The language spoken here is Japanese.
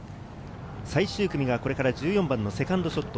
最終組がこれから１４番のセカンドショット。